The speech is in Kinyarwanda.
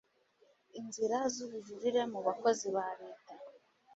inzira z ubujurire mu bakozi ba leta